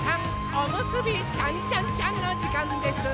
おむすびちゃんちゃんちゃんのじかんです！